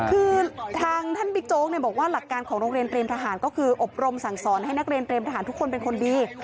คือทางท่านบิ๊กโจ๊กบอกว่าหลักการของโรงเรียนเตรียมทหารก็คืออบรมสั่งสอนให้นักเรียนเตรียมทหารทุกคนเป็นคนดี